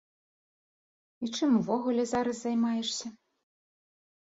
І чым увогуле зараз займаешся?